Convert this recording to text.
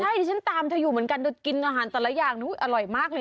ใช่ดิฉันตามเธออยู่เหมือนกันเธอกินอาหารแต่ละอย่างอร่อยมากเลย